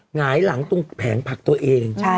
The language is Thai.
หงายหลังตรงแผงผักตัวเอง